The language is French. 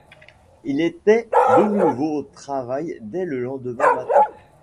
Il était de nouveau au travail dès le lendemain matin.